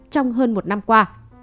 trong hơn một năm qua